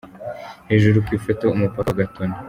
Hejuru ku ifoto: Umupaka wa Gatuna.